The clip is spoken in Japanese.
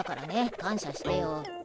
感謝してよ。